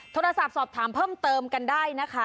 โทรศัพท์สอบถามเพิ่มเติมกันได้นะคะ